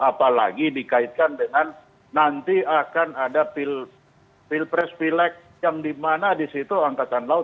apalagi dikaitkan dengan nanti akan ada pilpres pilek yang dimana disitu angkatan laut